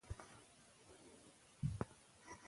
رد شوي ږغونه سیسټم ته نه داخلیږي.